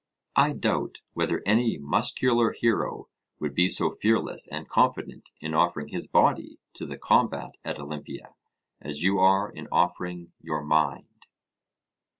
I doubt whether any muscular hero would be so fearless and confident in offering his body to the combat at Olympia, as you are in offering your mind.